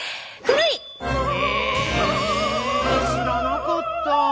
へえ知らなかった。